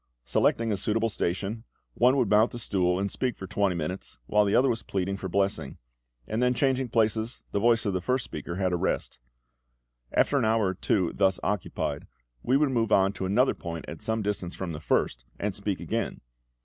Selecting a suitable station, one would mount the stool and speak for twenty minutes, while the other was pleading for blessing; and then changing places, the voice of the first speaker had a rest. After an hour or two thus occupied, we would move on to another point at some distance from the first, and speak again.